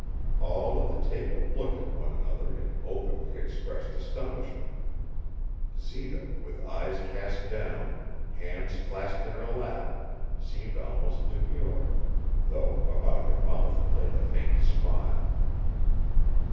All at the table looked at one another in openly expressed astonishment. Zita, with eyes cast down, hands clasped in her lap, seemed almost demure, though about her mouth played a faint smile.